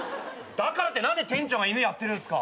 だからって何で店長が犬やってるんすか。